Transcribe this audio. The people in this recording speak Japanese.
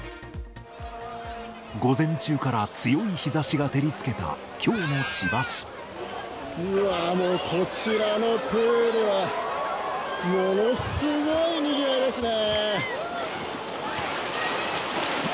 午前中から強い日ざしが照りうわー、もうこちらのプールは、ものすごいにぎわいですね。